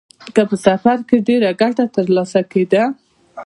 که په سفر کې ډېره ګټه ترلاسه کېده